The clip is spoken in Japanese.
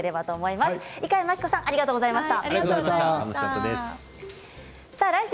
猪飼牧子さんありがとうございました。